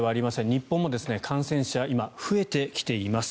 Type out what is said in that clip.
日本も今感染者が増えてきています。